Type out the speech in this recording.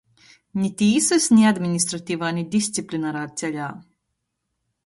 Ni tīsys, ni administrativā, ni disciplinarā ceļā.